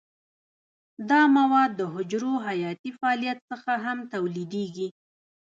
دا مواد د حجرو حیاتي فعالیت څخه هم تولیدیږي.